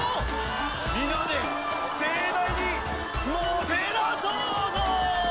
皆で盛大にもてなそうぞ！